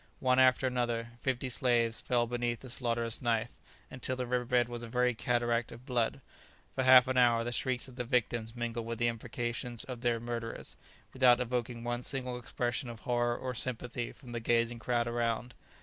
One after another, fifty slaves fell beneath the slaughterous knife, until the river bed was a very cataract of blood. For half an hour the shrieks of the victims mingled with the imprecations of their murderers, without evoking one single expression of horror or sympathy from the gazing crowd around.